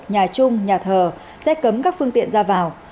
nhà chung nhà thờ sẽ cấm các phương tiện ra vào